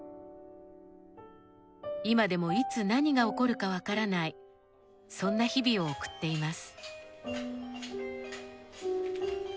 今でもいつ何が起こるかわからないそんな日々を送っています。